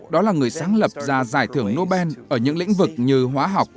đó là người sáng lập ra giải thưởng nobel ở những lĩnh vực như hóa học